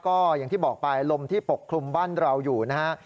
ก็อย่างที่บอกไปลมที่ปกคลุมบ้านเราอยู่นะฮะ